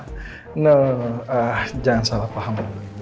tidak jangan salah paham